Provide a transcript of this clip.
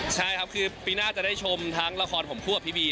ใช่ครับคือปีหน้าจะได้ชมทั้งละครผมคู่กับพี่บี